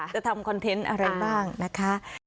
ทำคอนเทนต์อะไรบ้างนะคะ